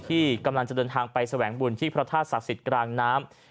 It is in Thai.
ที่กำลังจะเดินทางไปแสวงบุญที่พระธาตุศักดิ์สิทธิ์กลางน้ำ